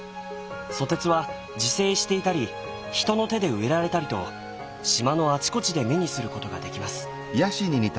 ソテツは自生していたり人の手で植えられたりと島のあちこちで目にすることができます。